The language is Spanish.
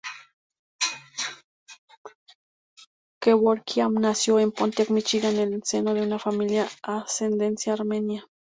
Kevorkian nació en Pontiac, Míchigan, en el seno de una familia de ascendencia armenia.